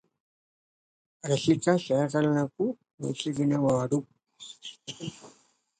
రసిక శేఖరులకు నొసగినాడు